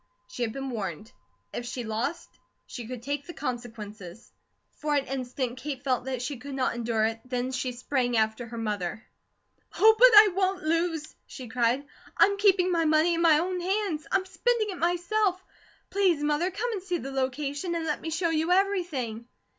She had been warned. If she lost, she could take the consequences. For an instant Kate felt that she could not endure it then she sprang after her mother. "Oh, but I won't lose!" she cried. "I'm keeping my money in my own hands. I'm spending it myself. Please, Mother, come and see the location, and let me show you everything."